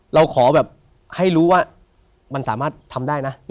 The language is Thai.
เราขอแบบให้รู้ว่ามันสามารถทำได้นะ